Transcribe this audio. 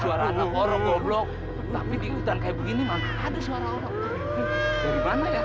suara anak orang goblok tapi di hutan kayak begini mana ada suara orang